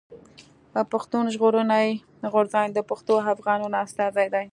پښتون ژغورني غورځنګ د پښتنو افغانانو استازی دی.